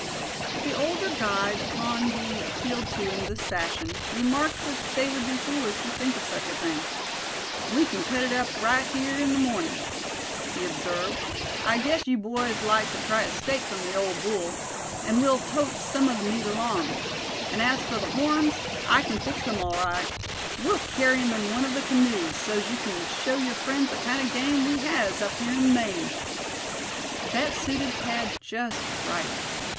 The older guide, upon being appealed to in this fashion, remarked that they would be foolish to think of such a thing. "We kin cut it up right here in the mornin'," he observed. "I guess yu boys'd like to try a steak from the ole bull; an' we'll tote sum o' the meat along. An' as fur the horns, I kin fix them all right. We'll kerry 'em in one of the canoes, so's ye kin show yer friends the kind o' game we has up here in Maine." That suited Thad just right.